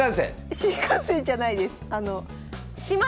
新幹線じゃないです。